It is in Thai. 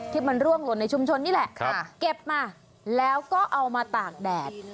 ที่มันร่วงหล่นในชุมชนนี่แหละเก็บมาแล้วก็เอามาตากแดด